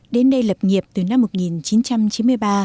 đến đây lập nghiệp từ năm một nghìn chín trăm chín mươi ba